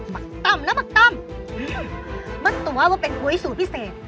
บักตั้มนะบักตั้มมันตัวว่าเป็นครวยสูตรพิเศษ